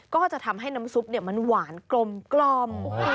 ก็จะทำให้น้ำซุปมันหวานกลม